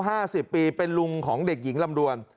ห้าสิบปีเป็นลุงของเด็กหญิงลำดวน